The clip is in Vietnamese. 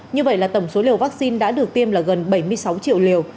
như vậy là tổng số liều vaccine đã được tiêm là gần bảy mươi sáu triệu liều